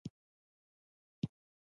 هنر د ذوق ښکارندوی دی